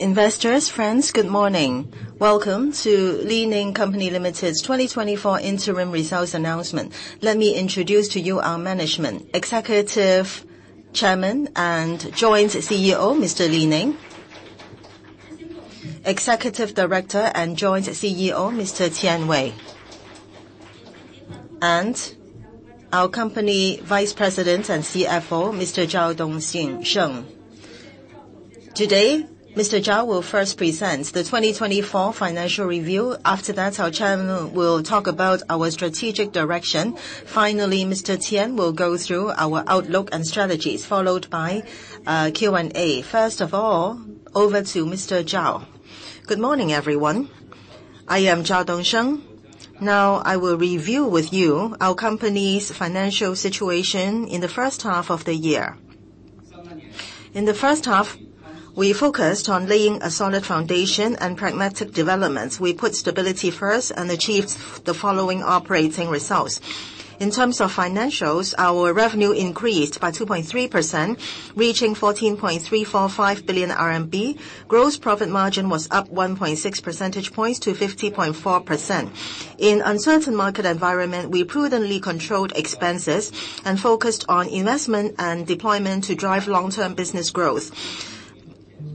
Investors, friends, good morning. Welcome to Li-Ning Company Limited's 2024 interim results announcement. Let me introduce to you our management: Executive Chairman and Joint CEO, Mr. Li Ning; Executive Director and Joint CEO, Mr. Qian Wei; and our company Vice President and CFO, Mr. Zhao Dongsheng. Today, Mr. Zhao will first present the 2024 financial review. After that, our chairman will talk about our strategic direction. Finally, Mr. Qian will go through our outlook and strategies, followed by Q&A. First of all, over to Mr. Zhao. Good morning, everyone. I am Zhao Dongsheng. Now, I will review with you our company's financial situation in the first half of the year. In the first half, we focused on laying a solid foundation and pragmatic developments. We put stability first and achieved the following operating results. In terms of financials, our revenue increased by 2.3%, reaching 14.345 billion RMB. Gross profit margin was up 1.6 percentage points to 50.4%. In uncertain market environment, we prudently controlled expenses and focused on investment and deployment to drive long-term business growth. Coupled with reduction of non-operating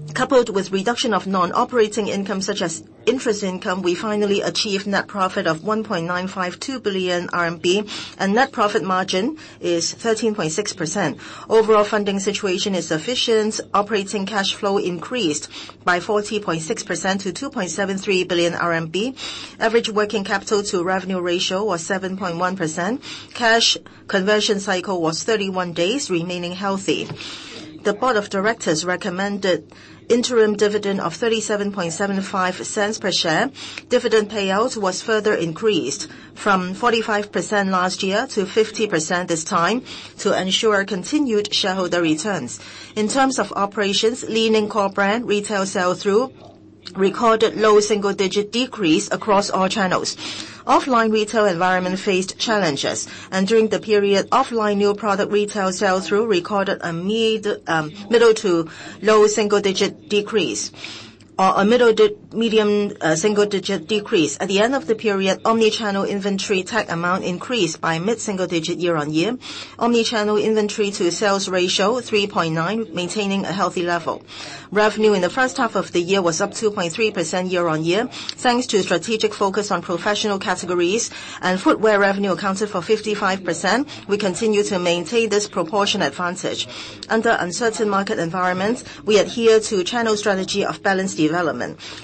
income, such as interest income, we finally achieved net profit of 1.952 billion RMB, and net profit margin is 13.6%. Overall funding situation is sufficient. Operating cash flow increased by 40.6% to 2.73 billion RMB. Average working capital to revenue ratio was 7.1%. Cash conversion cycle was 31 days, remaining healthy. The board of directors recommended interim dividend of HKD 0.3775 per share. Dividend payout was further increased from 45% last year to 50% this time to ensure continued shareholder returns. In terms of operations, Li-Ning core brand retail sell-through recorded low single-digit decrease across all channels. Offline retail environment faced challenges, and during the period, offline new product retail sell-through recorded a mid, middle to low single-digit decrease, or a middle medium single-digit decrease. At the end of the period, omni-channel inventory tag amount increased by mid-single-digit year-on-year. Omni-channel inventory to sales ratio, 3.9, maintaining a healthy level. Revenue in the first half of the year was up 2.3% year-on-year, thanks to strategic focus on professional categories and footwear revenue accounted for 55%. We continue to maintain this proportion advantage. Under uncertain market environments, we adhere to channel strategy of balanced development.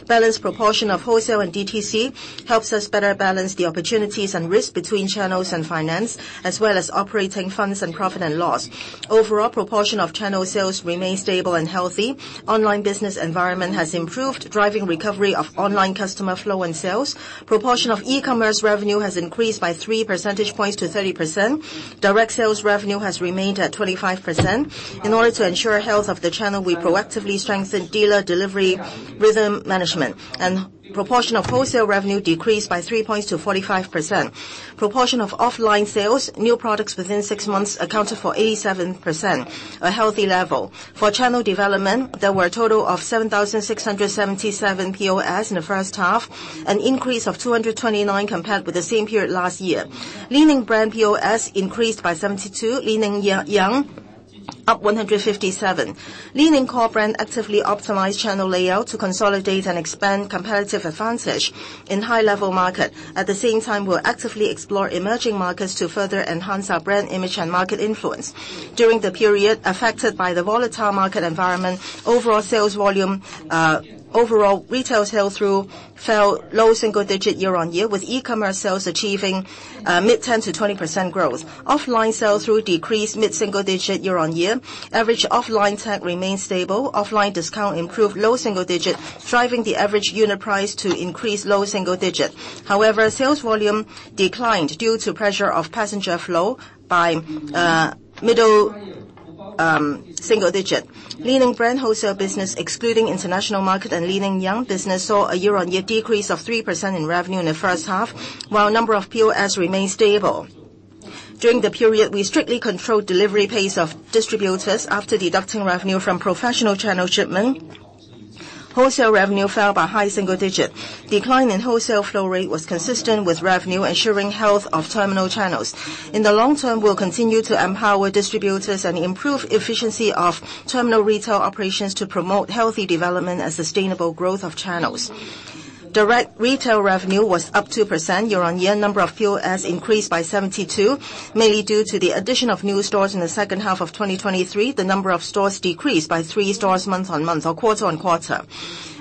Balanced proportion of wholesale and DTC helps us better balance the opportunities and risks between channels and finance, as well as operating funds and profit and loss. Overall, proportion of channel sales remain stable and healthy. Online business environment has improved, driving recovery of online customer flow and sales. Proportion of e-commerce revenue has increased by 3 percentage points to 30%. Direct sales revenue has remained at 25%. In order to ensure health of the channel, we proactively strengthen dealer delivery, rhythm management and proportion of wholesale revenue decreased by 3 points to 45%. Proportion of offline sales, new products within 6 months accounted for 87%, a healthy level. For channel development, there were a total of 7,677 POS in the first half, an increase of 229 compared with the same period last year. Li-Ning brand POS increased by 72, Li-Ning Young, up 157. Li-Ning core brand actively optimized channel layout to consolidate and expand competitive advantage in high-level market. At the same time, we'll actively explore emerging markets to further enhance our brand image and market influence. During the period, affected by the volatile market environment, overall sales volume, overall retail sell-through fell low single-digit year-on-year, with e-commerce sales achieving mid-10%-20% growth. Offline sell-through decreased mid-single-digit year-on-year. Average offline ASP remains stable. Offline discount improved low single-digit, driving the average unit price to increase low single-digit. However, sales volume declined due to pressure of passenger flow by mid-single-digit. Li-Ning brand wholesale business, excluding international market and Li-Ning Young business, saw a year-on-year decrease of 3% in revenue in the first half, while number of POS remained stable. During the period, we strictly controlled delivery pace of distributors after deducting revenue from professional channel shipment. Wholesale revenue fell by high single digit. Decline in wholesale flow rate was consistent with revenue, ensuring health of terminal channels. In the long term, we'll continue to empower distributors and improve efficiency of terminal retail operations to promote healthy development and sustainable growth of channels. Direct retail revenue was up 2% year-on-year. Number of POS increased by 72, mainly due to the addition of new stores in the second half of 2023. The number of stores decreased by 3 stores month-on-month or quarter-on-quarter.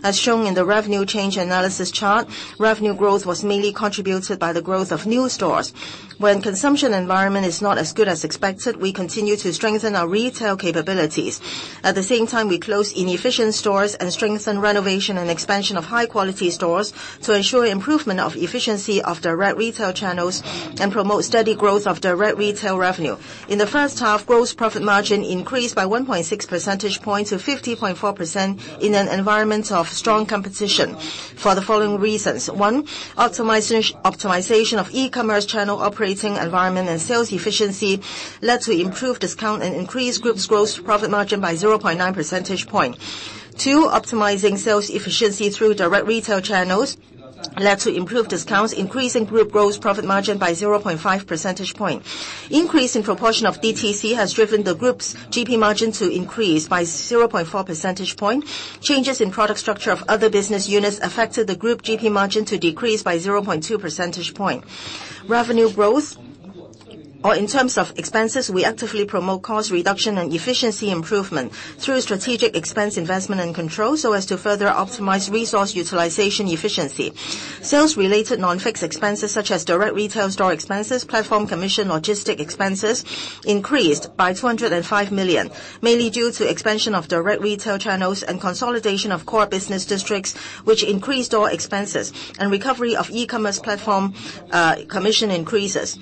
As shown in the revenue change analysis chart, revenue growth was mainly contributed by the growth of new stores. When consumption environment is not as good as expected, we continue to strengthen our retail capabilities. At the same time, we close inefficient stores and strengthen renovation and expansion of high-quality stores to ensure improvement of efficiency of direct retail channels and promote steady growth of direct retail revenue. In the first half, gross profit margin increased by 1.6 percentage points to 50.4% in an environment of strong competition for the following reasons: One, optimization, optimization of e-commerce channel operating environment and sales efficiency led to improved discount and increased group's gross profit margin by 0.9 percentage point.... Two, optimizing sales efficiency through direct retail channels led to improved discounts, increasing group growth profit margin by 0.5 percentage point. Increase in proportion of DTC has driven the group's GP margin to increase by 0.4 percentage point. Changes in product structure of other business units affected the group GP margin to decrease by 0.2 percentage point. Revenue growth, or in terms of expenses, we actively promote cost reduction and efficiency improvement through strategic expense investment and control, so as to further optimize resource utilization efficiency. Sales-related non-fixed expenses, such as direct retail store expenses, platform commission, logistics expenses, increased by 205 million, mainly due to expansion of direct retail channels and consolidation of core business districts, which increased our expenses and recovery of e-commerce platform, commission increases.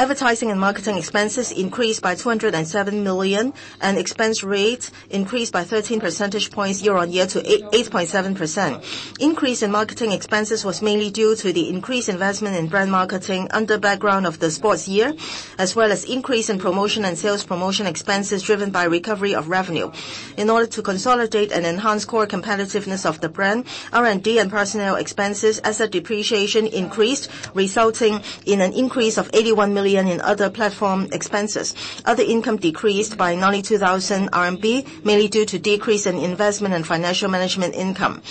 Advertising and marketing expenses increased by 207 million, and expense rate increased by 13 percentage points year-on-year to 8.7%. Increase in marketing expenses was mainly due to the increased investment in brand marketing under background of the sports year, as well as increase in promotion and sales promotion expenses driven by recovery of revenue. In order to consolidate and enhance core competitiveness of the brand, R&D and personnel expenses, asset depreciation increased, resulting in an increase of 81 million in other platform expenses. Other income decreased by 92,000 RMB, mainly due to decrease in investment and financial management income.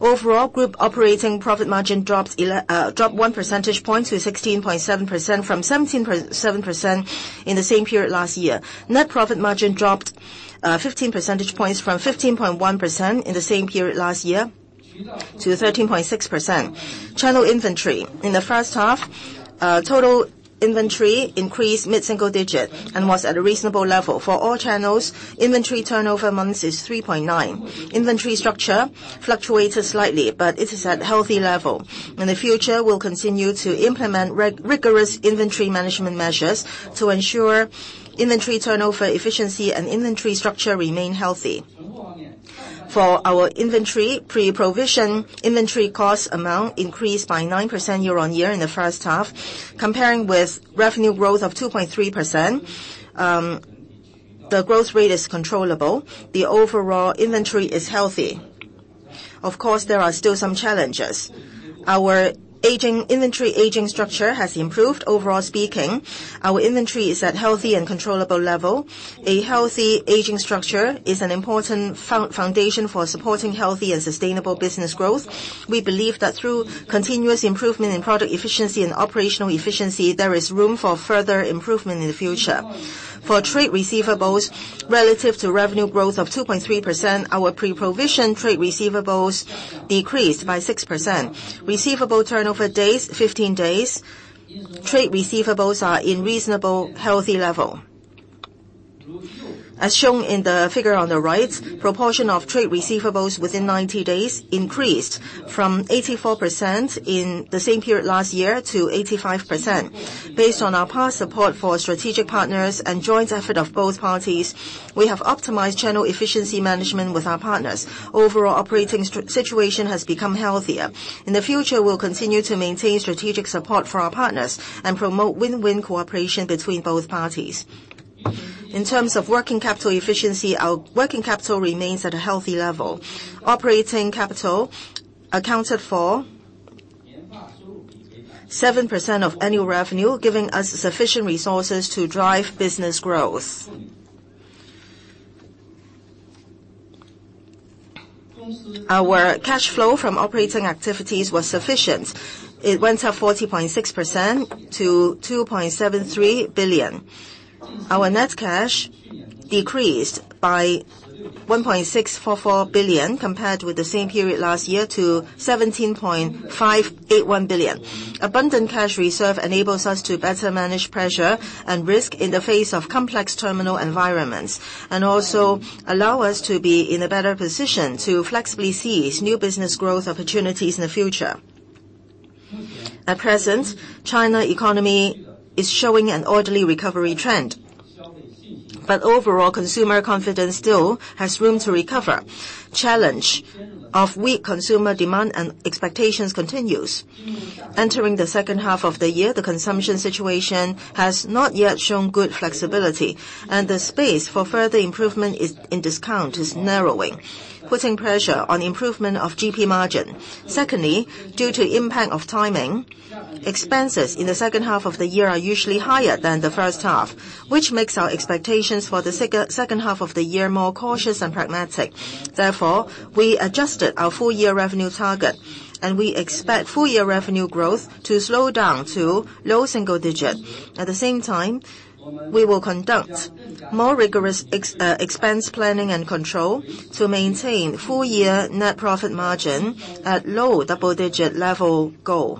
Overall, group operating profit margin dropped one percentage point to 16.7% from 17.7% in the same period last year. Net profit margin dropped fifteen percentage points from 15.1% in the same period last year to 13.6%. Channel inventory. In the first half, total inventory increased mid-single digit and was at a reasonable level. For all channels, inventory turnover months is 3.9. Inventory structure fluctuated slightly, but it is at healthy level. In the future, we'll continue to implement rigorous inventory management measures to ensure inventory turnover efficiency and inventory structure remain healthy. For our inventory, pre-provision inventory cost amount increased by 9% year-on-year in the first half. Comparing with revenue growth of 2.3%, the growth rate is controllable. The overall inventory is healthy. Of course, there are still some challenges. Our aging, inventory aging structure has improved. Overall speaking, our inventory is at healthy and controllable level. A healthy aging structure is an important foundation for supporting healthy and sustainable business growth. We believe that through continuous improvement in product efficiency and operational efficiency, there is room for further improvement in the future. For trade receivables, relative to revenue growth of 2.3%, our pre-provision trade receivables decreased by 6%. Receivable turnover days, 15 days. Trade receivables are in reasonable, healthy level. As shown in the figure on the right, proportion of trade receivables within 90 days increased from 84% in the same period last year to 85%. Based on our past support for strategic partners and joint effort of both parties, we have optimized channel efficiency management with our partners. Overall operating situation has become healthier. In the future, we'll continue to maintain strategic support for our partners and promote win-win cooperation between both parties. In terms of working capital efficiency, our working capital remains at a healthy level. Operating capital accounted for 7% of annual revenue, giving us sufficient resources to drive business growth. Our cash flow from operating activities was sufficient. It went up 40.6% to 2.73 billion. Our net cash decreased by 1.644 billion, compared with the same period last year, to 17.581 billion. Abundant cash reserve enables us to better manage pressure and risk in the face of complex terminal environments, and also allow us to be in a better position to flexibly seize new business growth opportunities in the future. At present, China economy is showing an orderly recovery trend, but overall, consumer confidence still has room to recover. Challenge of weak consumer demand and expectations continues. Entering the second half of the year, the consumption situation has not yet shown good flexibility, and the space for further improvement in discounts is narrowing, putting pressure on improvement of GP margin. Secondly, due to impact of timing, expenses in the second half of the year are usually higher than the first half, which makes our expectations for the second half of the year more cautious and pragmatic. Therefore, we adjusted our full-year revenue target, and we expect full-year revenue growth to slow down to low single digit. At the same time, we will conduct more rigorous expense planning and control to maintain full-year net profit margin at low double-digit level goal.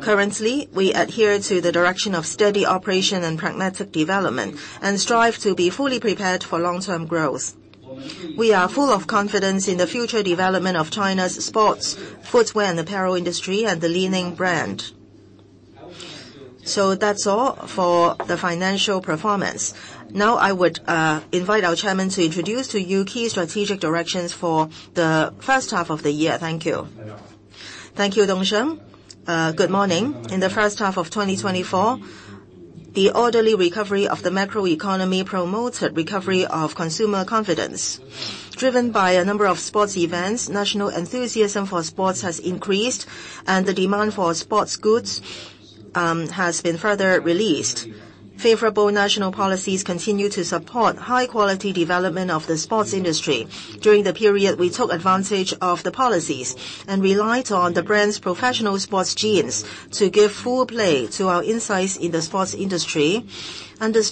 Currently, we adhere to the direction of steady operation and pragmatic development, and strive to be fully prepared for long-term growth. We are full of confidence in the future development of China's sports, footwear, and apparel industry, and the leading brand. So that's all for the financial performance. Now, I would invite our Chairman to introduce to you key strategic directions for the first half of the year. Thank you.... Thank you, Dongsheng. Good morning. In the first half of 2024, the orderly recovery of the macroeconomy promoted recovery of consumer confidence. Driven by a number of sports events, national enthusiasm for sports has increased, and the demand for sports goods has been The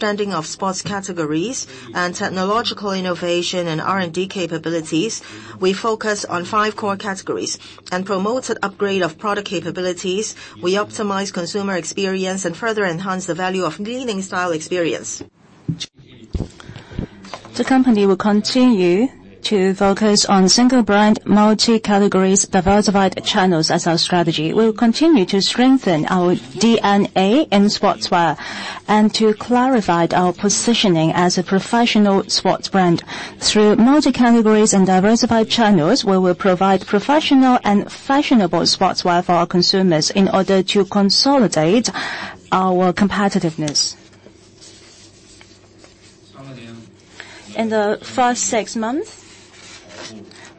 company will continue to focus on single brand, multi-categories, diversified channels as our strategy. We will continue to strengthen our DNA in sportswear, and to clarify our positioning as a professional sports brand. Through multi-categories and diversified channels, we will provide professional and fashionable sportswear for our consumers in order to consolidate our competitiveness. In the first six months,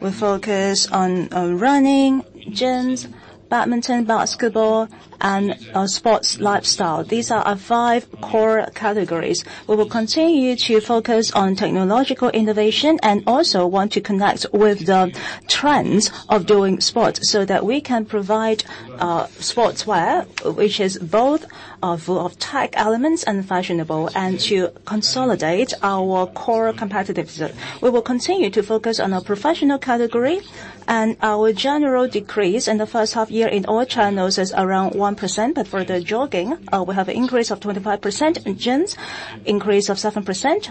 we focused on running, gyms, badminton, basketball, and sports lifestyle. These are our five core categories. We will continue to focus on technological innovation, and also want to connect with the trends of doing sports, so that we can provide sportswear, which is both of tech elements and fashionable, and to consolidate our core competitiveness. We will continue to focus on our professional category, and our general decrease in the first half year in all channels is around 1%, but for the jogging, we have an increase of 25%, in gyms, increase of 7%,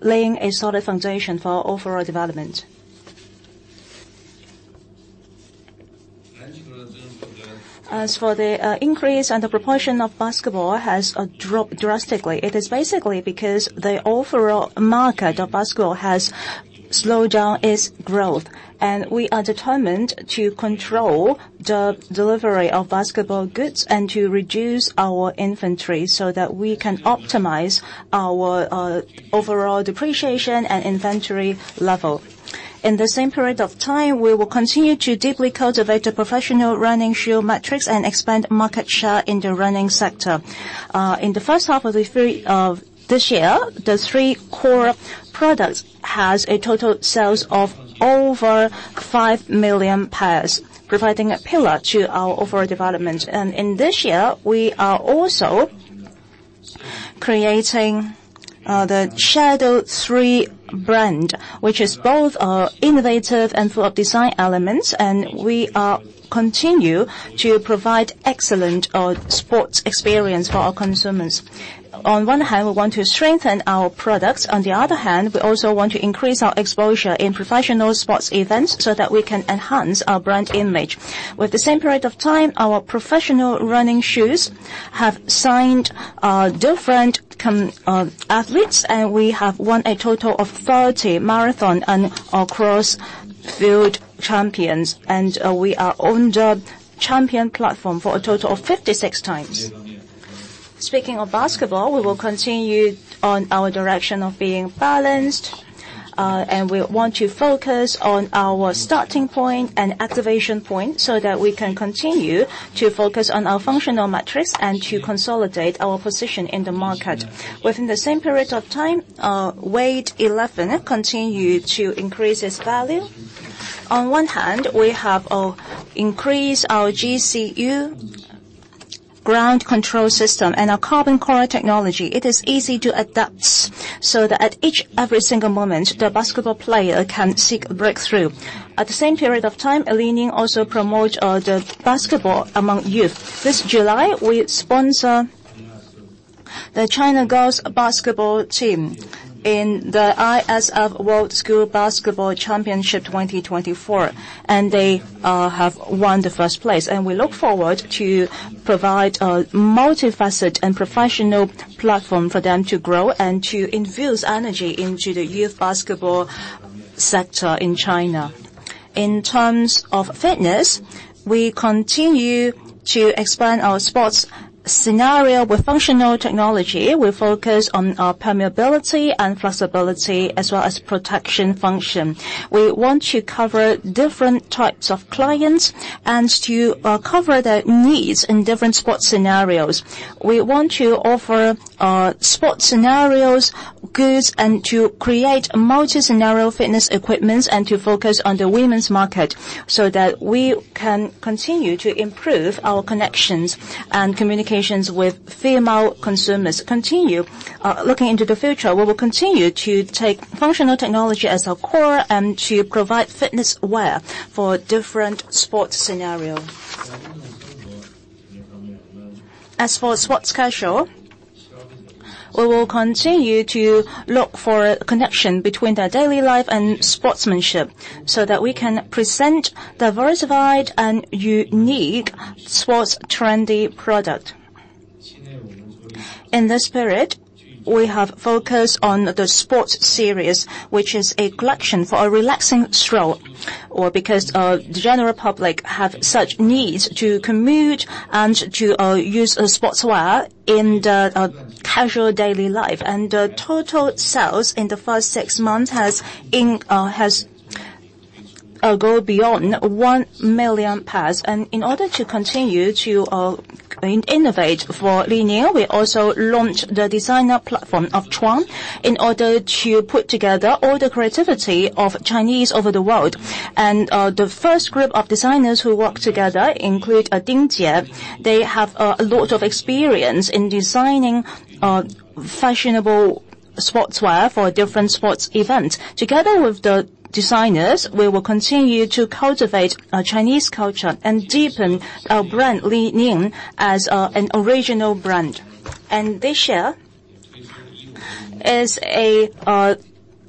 laying a solid foundation for overall development. As for the increase and the proportion of basketball has dropped drastically. It is basically because the overall market of basketball has slowed down its growth, and we are determined to control the delivery of basketball goods and to reduce our inventory, so that we can optimize our overall depreciation and inventory level. In the same period of time, we will continue to deeply cultivate the professional running shoe matrix and expand market share in the running sector. In the first half of this year, the three core products has a total sales of over 5 million pairs, providing a pillar to our overall development. In this year, we are also creating the Shadow 3 brand, which is both innovative and full of design elements, and we continue to provide excellent sports experience for our consumers. On one hand, we want to strengthen our products. On the other hand, we also want to increase our exposure in professional sports events, so that we can enhance our brand image. With the same period of time, our professional running shoes have signed different competing athletes, and we have won a total of 30 marathon and cross-country champions, and we are on the champion platform for a total of 56 times. Speaking of basketball, we will continue on our direction of being balanced, and we want to focus on our starting point and activation point, so that we can continue to focus on our functional matrix and to consolidate our position in the market. Within the same period of time, Way of Wade 11 continued to increase its value. On one hand, we have increased our GCU Ground Control System and our carbon core technology. It is easy to adapt, so that at each and every single moment, the basketball player can seek a breakthrough. At the same period of time, Li-Ning also promote the basketball among youth. This July, we sponsor the China girls basketball team in the ISF World School Basketball Championship 2024, and they have won the first place. We look forward to provide a multifaceted and professional platform for them to grow and to infuse energy into the youth basketball sector in China. In terms of fitness, we continue to expand our sports scenario with functional technology. We focus on permeability and flexibility, as well as protection function. We want to cover different types of clients and to cover their needs in different sports scenarios. We want to offer sports scenarios, goods, and to create multi-scenario fitness equipments, and to focus on the women's market, so that we can continue to improve our connections and communications with female consumers. Continue looking into the future, we will continue to take functional technology as our core designers, we will continue to cultivate Chinese culture and deepen our brand, Li-Ning, as an original brand. This year is a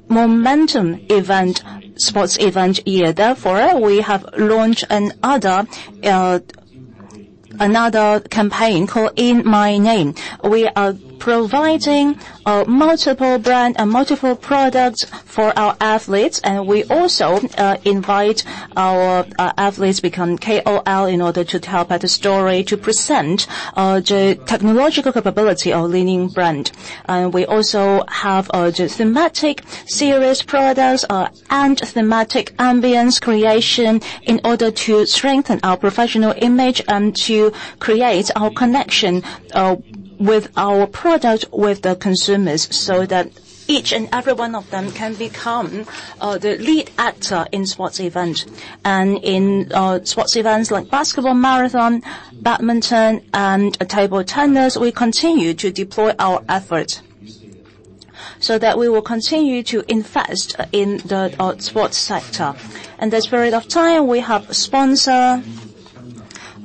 momentum event, sports event year. Therefore, we have launched another campaign called In My Name. We are providing multiple brand and multiple products for our athletes, and we also invite our athletes become KOL in order to tell their story, to present the technological capability of Li-Ning brand. We also have the thematic series products and thematic ambience creation in order to strengthen our professional image and to create our connection with our product, with the consumers, so that each and every one of them can become the lead actor in sports event. In sports events like basketball, marathon, badminton and table tennis, we continue to deploy our efforts so that we will continue to invest in the sports sector. In this period of time, we have sponsor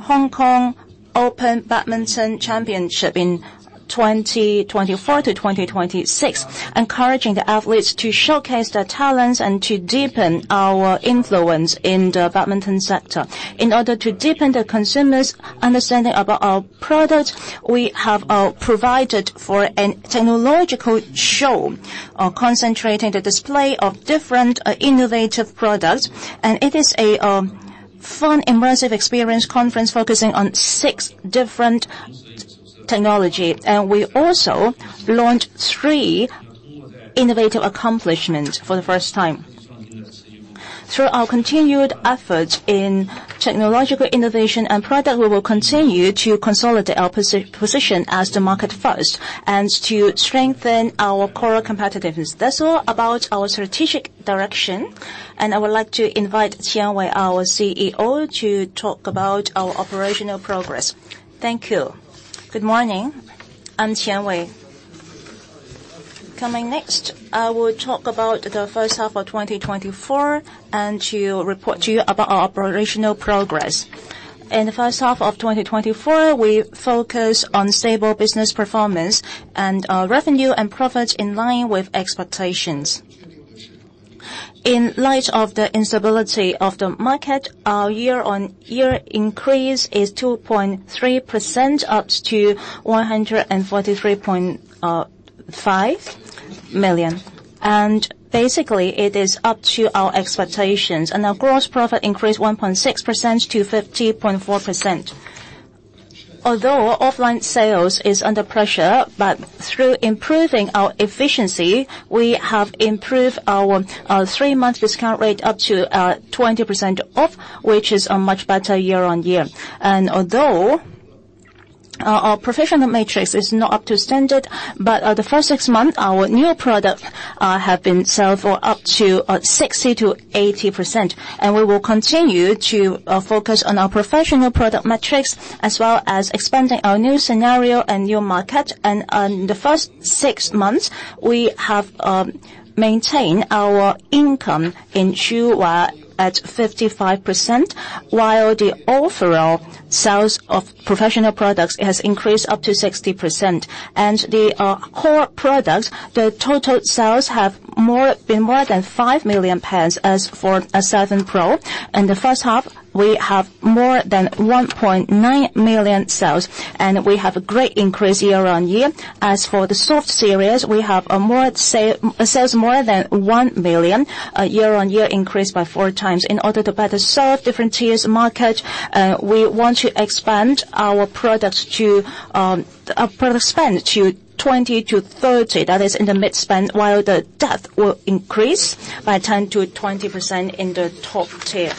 Hong Kong Open Badminton Championship in 2024-2026, encouraging the athletes to showcase their talents and to deepen our influence in the badminton sector. In order to deepen the consumers' understanding about our product, we have provided for a technological show, concentrating the display of different innovative products. And it is a fun, immersive experience conference focusing on six different technology. And we also launched three innovative accomplishments for the first time. Through our continued efforts in technological innovation and product, we will continue to consolidate our position as the market first, and to strengthen our core competitiveness. That's all about our strategic direction, and I would like to invite Qian Wei, our CEO, to talk about our operational progress. Thank you. Good morning. I'm Qian Wei. Coming next, I will talk about the first half of 2024 and to report to you about our operational progress. In the first half of 2024, we focused on stable business performance, and our revenue and profits in line with expectations. In light of the instability of the market, our year-on-year increase is 2.3%, up to 143.5 million. Basically, it is up to our expectations, and our gross profit increased 1.6% to 50.4%. Although offline sales is under pressure, but through improving our efficiency, we have improved our 3-month discount rate up to 20% off, which is a much better year-on-year. Although our professional matrix is not up to standard, but in the first six months, our new product have been sold for up to 60%-80%. We will continue to focus on our professional product matrix, as well as expanding our new scenario and new market. In the first six months, we have maintained our income in shoe wear at 55%, while the overall sales of professional products has increased up to 60%. The core products, the total sales have been more than 5 million pairs. As for 7 Pro, in the first half, we have more than 1.9 million sales, and we have a great increase year-on-year. As for the soft series, we have sales more than 1 million, a year-on-year increase by four times. In order to better serve different tiers market, we want to expand our products to product spend to 20-30, that is in the mid-spend, while the depth will increase by 10%-20% in the top tier.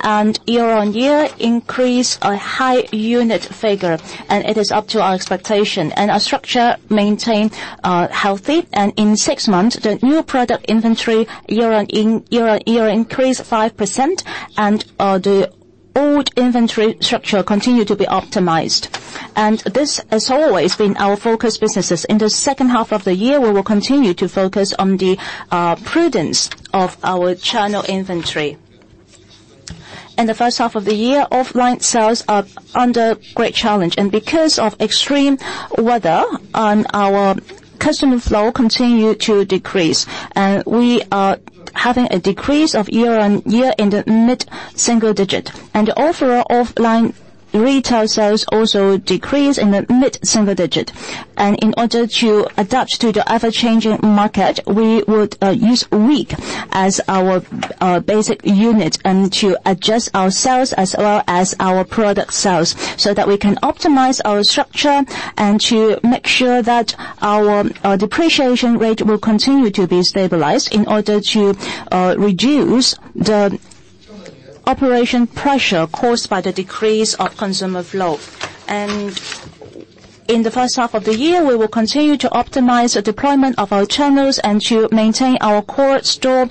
And through practical inventory management, we will continue to maintain a good level of inventory, and the all channel inventory sales is 3.9 months, which is healthy and controllable. And the inventory cost is up to CNY 2.46 billion, and year-on-year increase a high unit figure, and it is up to our expectation. Our structure maintains healthy, and in six months, the new product inventory year-on-year increased 5%, and the old inventory structure continued to be optimized. This has always been our focus businesses. In the second half of the year, we will continue to focus on the prudence of our channel inventory. In the first half of the year, offline sales are under great challenge, and because of extreme weather and our customer flow continued to decrease, and we are having a decrease year-on-year in the mid-single digit. Overall, offline retail sales also decreased in the mid-single digit. In order to adapt to the ever-changing market, we would use week as our basic unit and to adjust our sales, as well as our product sales, so that we can optimize our structure and to make sure that our depreciation rate will continue to be stabilized in order to reduce the operation pressure caused by the decrease of consumer flow. In the first half of the year, we will continue to optimize the deployment of our channels and to maintain our core store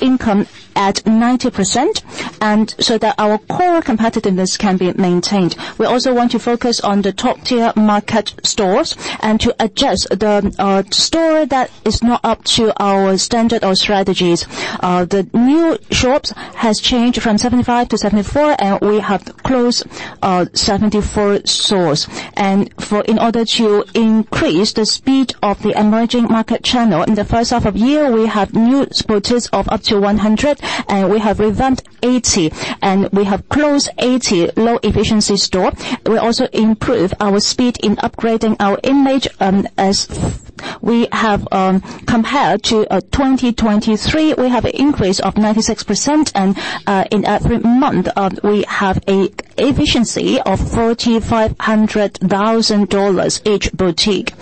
income at 90%, and so that our core competitiveness can be maintained. We also want to focus on the top-tier market stores and to adjust the store that is not up to our standard or strategies. The new shops has changed from 75 to 74, and we have closed 74 stores. In order to increase the speed of the emerging market channel, in the first half of the year, we have new boutiques of up to 100, and we have revamped 80, and we have closed 80 low-efficiency stores. We also improved our speed in upgrading our image, and as we have, compared to 2023, we have an increase of 96%, and, in every month, we have a efficiency of $4.5 million each boutique.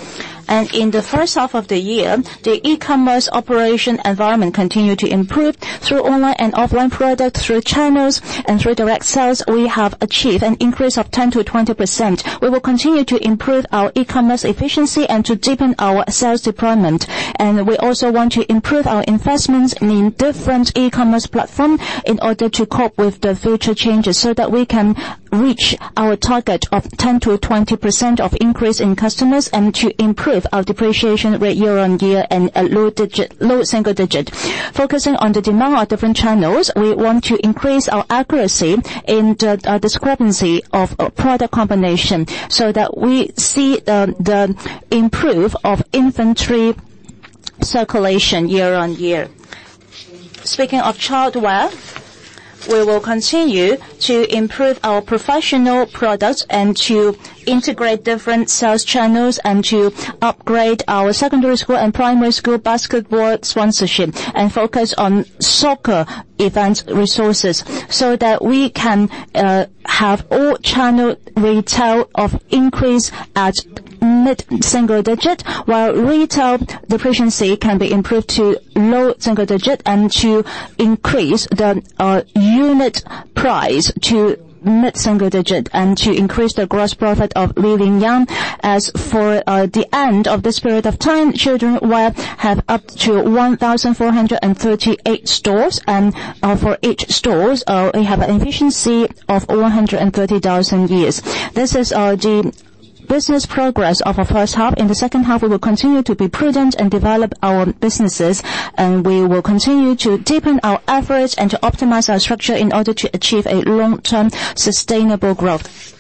In the first half of the year, the e-commerce operation environment continued to improve. Through online and offline product, through channels, and through direct sales, we have achieved an increase of 10%-20%. We will continue to improve our e-commerce efficiency and to deepen our sales deployment. And we also want to improve our investments in different e-commerce platform in order to cope with the future changes, so that we can reach our target of 10%-20% increase in customers and to improve our depreciation rate year-on-year and a low single digit. Focusing on the demand of different channels, we want to increase our accuracy in the discrepancy of product combination, so that we see the improve of inventory circulation year-on-year. Speaking of childwear, we will continue to improve our professional products and to integrate different sales channels, and to upgrade our secondary school and primary school basketball sponsorship, and focus on soccer event resources, so that we can have all channel retail of increase at mid-single digit, while retail deficiency can be improved to low single digit, and to increase the unit price to mid-single digit, and to increase the gross profit of Li-Ning. As for the end of this period of time, childrenwear have up to 1,438 stores, and for each stores, we have an efficiency of 130,000 users. This is the business progress of our first half. In the second half, we will continue to be prudent and develop our businesses, and we will continue to deepen our efforts and to optimize our structure in order to achieve a long-term sustainable growth.